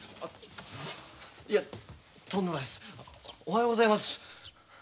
おはようございます。